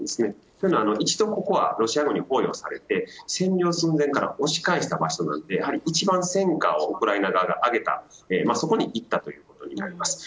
というのも一度ここはロシア軍に包囲されて占領寸前から押し返した場所なので一番戦果をウクライナ側が挙げた、そこに行ったということになります。